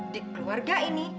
di keluarga ini